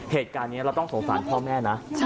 เหตุการณ์นี้เราต้องสงสารพ่อแม่นะ